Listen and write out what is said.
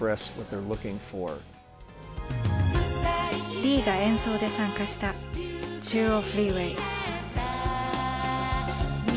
リーが演奏で参加した「中央フリーウェイ」。